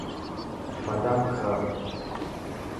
بادام کا.